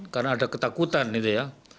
karena ada ketakutan itu ya